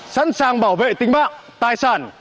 sẵn sàng bảo vệ tính mạng tài sản